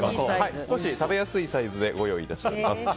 少し食べやすいサイズでご用意いたしております。